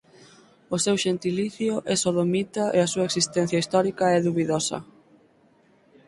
O seu xentilicio é sodomita e a súa existencia histórica é dubidosa.